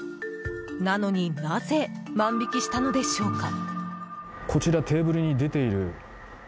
なのになぜ万引きしたのでしょうか。